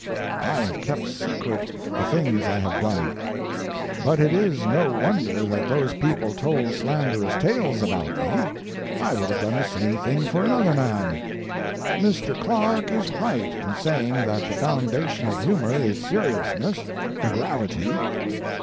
I have kept secret the things I have done. But it is no wonder that those people told slanderous tales about me; I would have done the same thing for another man. "Mr. Clarke is right in saying that the foundation of humor is seriousness, gravity.